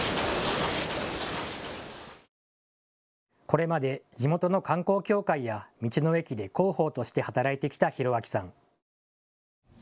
これまで地元の観光協会や道の駅で広報として働いてきた広彰さん。